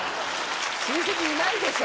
親戚いないでしょ。